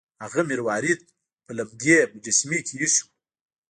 هغه مروارید په لمدې مجسمې کې ایښی و.